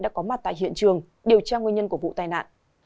đã có mặt tại hiện trường điều tra nguyên nhân của vụ tai nạn